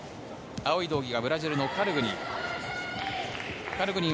青い道着がブラジルのカルグニン。